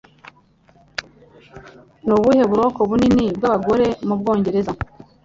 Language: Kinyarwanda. Ni ubuhe buroko bunini bw'abagore mu Bwongereza?